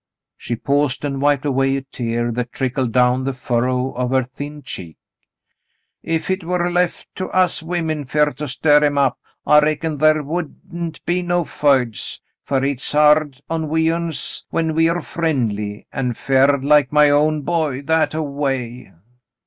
She paused and wiped away a tear that trickled down the furrow of her thin cheek. "If hit war lef to us women fer to stir 'em up, I reckon thar wouldn't be no feuds, fer hit's hard on we uns when we're friendly, an' Ferd like my own boy that a way."